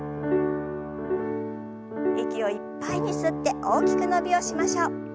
息をいっぱいに吸って大きく伸びをしましょう。